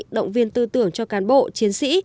động viên tư tưởng cho cán bộ chiến sĩ